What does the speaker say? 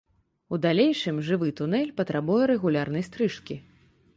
У далейшым жывы тунэль патрабуе рэгулярнай стрыжкі.